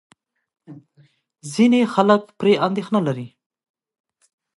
ځینې خلک پرې اندېښنه لري.